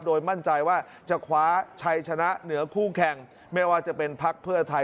โดยมั่นใจว่าจะคว้าชัยชนะเหนือคู่แข่งไม่ว่าจะเป็นพักเพื่อไทย